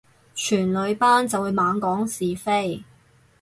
全女班就會猛講是非